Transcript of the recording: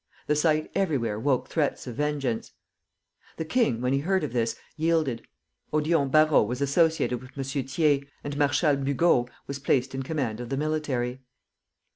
The sight everywhere woke threats of vengeance. The king, when he heard of this, yielded. Odillon Barrot was associated with M. Thiers, and Marshal Bugeaud was placed in command of the military.